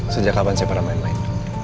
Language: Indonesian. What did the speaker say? sejak kapan saya pernah main main